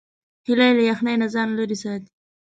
هیلۍ له یخنۍ نه ځان لیرې ساتي